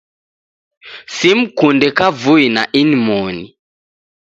Simkunde kavui na inmoni.